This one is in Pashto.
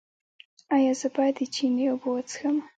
ایا زه باید د چینې اوبه وڅښم؟